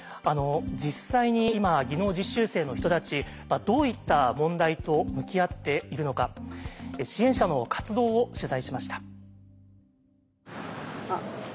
実際に今技能実習生の人たちはどういった問題と向き合っているのか支援者の活動を取材しました。